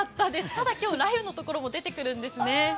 ただ今日、雷雨のところも出てくるんですね。